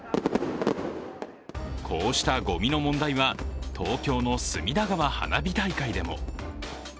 こうしたごみの問題は、東京の隅田川花火大会でも。